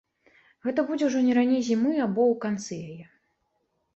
Гэта будзе ўжо не раней зімы або ў канцы яе.